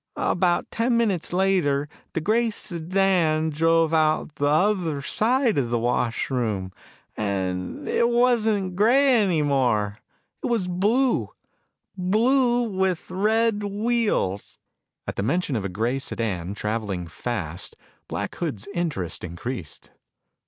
About ten minutes later, the gray sedan drove out the other side of the wash room, and it wasn't gray any more. It was blue blue with red wheels." At the mention of a gray sedan traveling fast, Black Hood's interest increased.